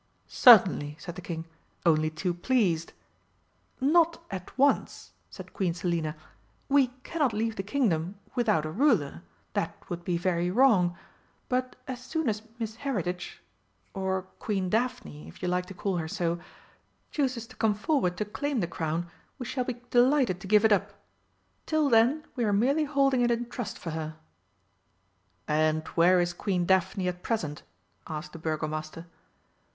"Certainly," said the King. "Only too pleased!" "Not at once," said Queen Selina. "We cannot leave the Kingdom without a ruler that would be very wrong. But as soon as Miss Heritage or Queen Daphne, if you like to call her so chooses to come forward to claim the crown we shall be delighted to give it up. Till then we are merely holding it in trust for her." "And where is Queen Daphne at present?" asked the Burgomaster.